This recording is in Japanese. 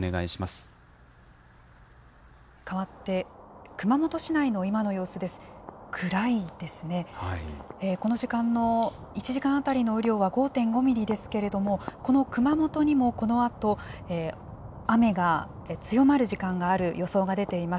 この時間の１時間当たりの雨量は５．５ミリですけれども、この熊本にもこのあと雨が強まる時間がある予想が出ています。